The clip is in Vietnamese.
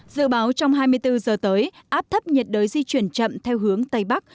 dự báo trong hai mươi bốn giờ tới áp thấp nhiệt đới di chuyển chậm theo hướng tây bắc